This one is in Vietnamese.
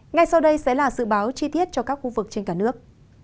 ngay sau đây sẽ là dự báo chi tiết cho các khu vực trên cả nước